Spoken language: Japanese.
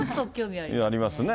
ありますね。